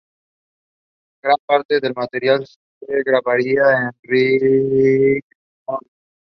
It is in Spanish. Gran parte del material se grabaría en Richmond.